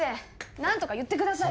何とか言ってください